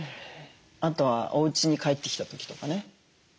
あとはおうちに帰ってきた時とかね